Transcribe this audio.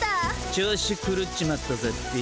調子くるっちまったぜっピィ。